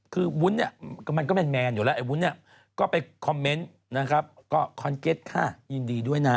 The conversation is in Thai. คือวุ้นเนี่ยมันก็แมนอยู่แล้วไอ้วุ้นเนี่ยก็ไปคอมเมนต์นะครับก็คอนเก็ตค่ะยินดีด้วยนะ